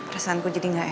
perasaanku jadi gak enak